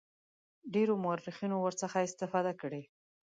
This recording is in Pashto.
ډیرو مورخینو ورڅخه استفاده کړې.